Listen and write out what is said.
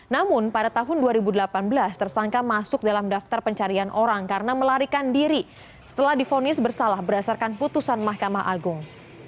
namun pada tahun dua ribu delapan belas tersangka masuk dalam daftar pencarian orang karena melarikan diri setelah difonis bersalah berdasarkan putusan mahkamah agung